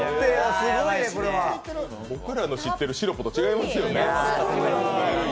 僕らの知ってるシロップと違いますよね。